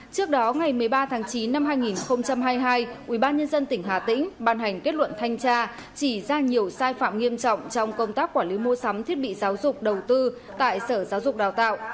trước đó ngày một mươi ba tháng chín năm hai nghìn hai mươi hai ubnd tỉnh hà tĩnh ban hành kết luận thanh tra chỉ ra nhiều sai phạm nghiêm trọng trong công tác quản lý mua sắm thiết bị giáo dục đầu tư tại sở giáo dục đào tạo